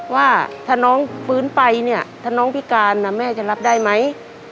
ว่าถ้าน้องฟื้นไปเนี่ยถ้าน้องพิการแม่จะรับได้ไหม